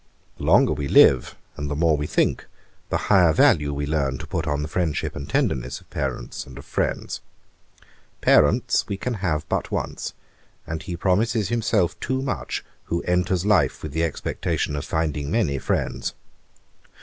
The longer we live, and the more we think, the higher value we learn to put on the friendship and tenderness of parents and of friends. Parents we can have but once; and he promises himself too much, who enters life with the expectation of finding many friends.